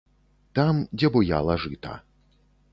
Там, дзе буяла жыта.